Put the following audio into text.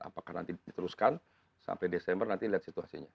apakah nanti diteruskan sampai desember nanti lihat situasinya